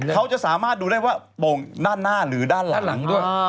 เขาจะสามารถดูได้ว่าโป่งด้านหน้าหรือด้านหลังด้วย